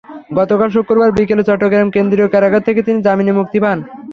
গতকাল শুক্রবার বিকেলে চট্টগ্রাম কেন্দ্রীয় কারাগার থেকে তিনি জামিনে মুক্তি পান।